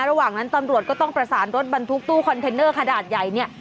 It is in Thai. ระหว่างนั้นตำรวจก็ต้องประสานรถบรรทุกตู้คอนเทนเนอร์ขนาดใหญ่เนี่ย